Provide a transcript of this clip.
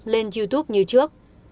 youtube như trước